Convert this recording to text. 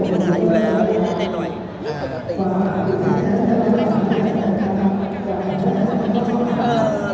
ไม่ต้องใจในเรื่องกันไม่ต้องใจในเรื่องนี้